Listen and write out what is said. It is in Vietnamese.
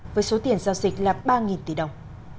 với số tiền giao dịch là ba tỷ đồng